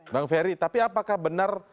bang ferry tapi apakah benar